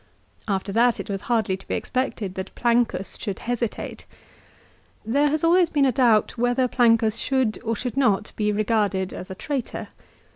After that it was hardly to be expected that Plancus should hesitate. There has always been a doubt whether Plancus should, or should not be regarded as a traitor.